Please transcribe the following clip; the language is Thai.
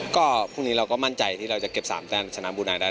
ก็พรุ่งนี้เราก็มั่นใจที่เราจะเก็บ๓แต้มชนะบูนายได้